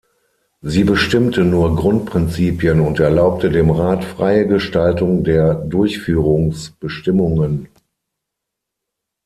Sie bestimmte nur Grundprinzipien und erlaubte dem Rat freie Gestaltung der Durchführungsbestimmungen.